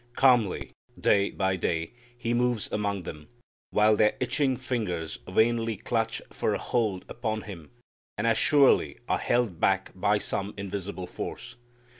Calmly, day by day, He moves among them, while their itching fingers vainly clutch for a hold upon Him, and as surely are held back by some invisible force.